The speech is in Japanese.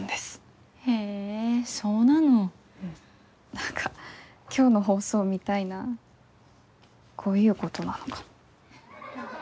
何か今日の放送みたいなこういうことなのかも。